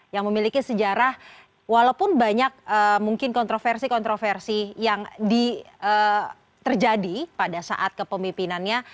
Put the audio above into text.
yang memiliki sejarah walaupun banyak mungkin kontroversi kontroversi yang terjadi pada saat kepemimpinannya